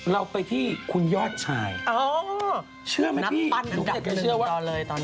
เราไปที่คุณยอดชายเชื่อมั้ยพี่นัดปั้นกันกันหนึ่งตอนนี้